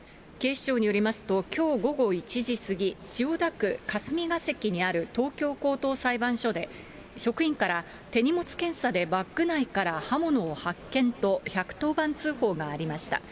警視庁によりますと、きょう午後１時過ぎ、千代田区霞が関にある東京高等裁判所で、職員から手荷物検査でバッグ内から刃物を発見と１１０番通報がありました。